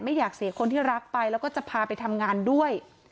ไม่อยากเสียคนที่รักไปแล้วก็จะพาไปทำงานด้วย